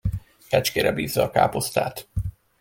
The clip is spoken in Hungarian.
Kecskére bízza a káposztát.